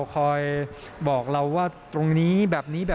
คอยบอกเราว่าตรงนี้แบบนี้